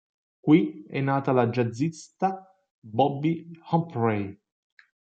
Qui è nata la jazzista Bobbi Humphrey.